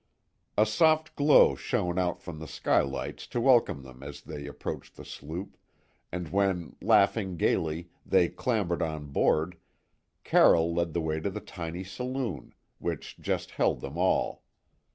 A soft glow shone out from the skylights to welcome them as they approached the sloop, and when, laughing gaily, they clambered on board, Carroll led the way to the tiny saloon, which just held them all.